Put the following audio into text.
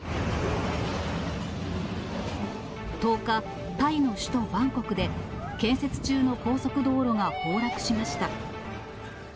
１０日、タイの首都バンコクで建設中の高速道路が崩落しました。